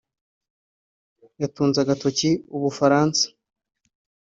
yatunze agatoki u Bufaransa